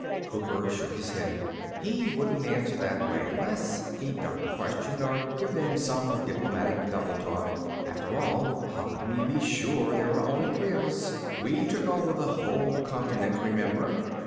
Cooper shook his head. "He wouldn't answer that way, Wes. He'd duck the question or give them some diplomatic double talk. After all, how can we be sure there are only three of us? We took over the whole continent, remember."